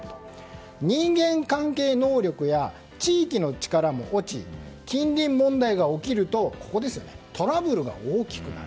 人間関係能力や地域の力も落ち近隣問題が起きるとトラブルが大きくなる。